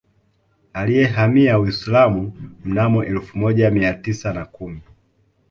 Aliyehamia Uislamu mnamo elfu moja Mia tisa na kumi